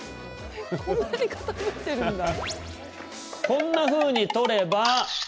こんなふうに撮れば。